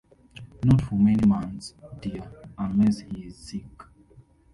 Not for many months, dear, unless he is sick.